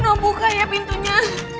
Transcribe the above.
noh buka ya pintunya